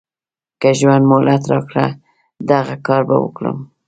که ژوند مهلت راکړ دغه کار به وکړم.